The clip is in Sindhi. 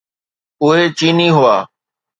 اهي چيني هئا.